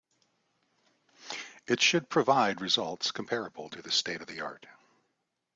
It should provided results comparable to the state of the art.